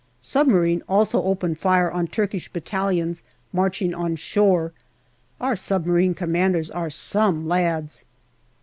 Submarine also opened fire on Turkish battalions marching on shore. Our submarine commanders are " some " lads.